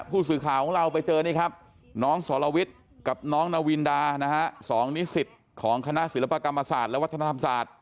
ผู้สื่อข่าวของเราไปเจอนี่ครับน้องสรวิทย์กับน้องนาวินดานะฮะ๒นิสิตของคณะศิลปกรรมศาสตร์และวัฒนธรรมศาสตร์